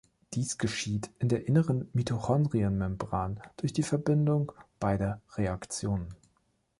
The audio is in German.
Dies geschieht in der inneren Mitochondrienmembran durch die Verbindung beider Reaktionen.